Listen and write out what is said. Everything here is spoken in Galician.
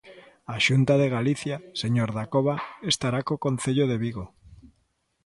A Xunta de Galicia, señor Dacova, estará co Concello de Vigo.